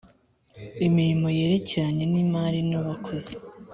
imirimo yerekeranye n imari n abakozi